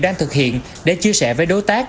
đang thực hiện để chia sẻ với đối tác